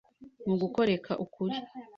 Nukugoreka ukuri.